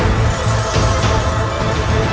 untuk melihat akarnya semua saja